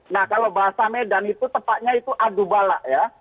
nah kalau bahasa medan itu tepatnya itu adubalak